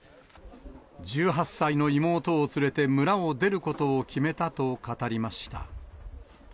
１８歳の妹を連れて、村を出ることを決めたと語りました。